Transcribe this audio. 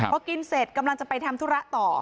พอกินเสร็จกำลังจะไปทำธุระต่อ